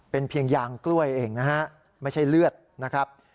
เป็นเพียงยางกล้วยเองนะฮะไม่ใช่เลือดนะครับ